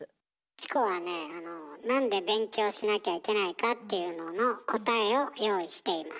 チコはねなんで勉強しなきゃいけないかっていうのの答えを用意しています。